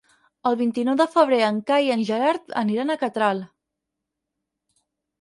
El vint-i-nou de febrer en Cai i en Gerard aniran a Catral.